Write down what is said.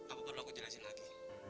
apa perlu aku jelasin lagi